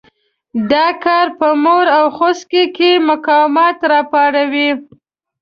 دا کار په مور او خوسکي کې مقاومت را پاروي.